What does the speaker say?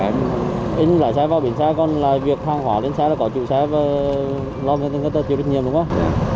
anh lái xe vào bình xe còn là việc hàng hóa lên xe là có chụp xe và lo về tất cả tiêu đích nhiệm đúng không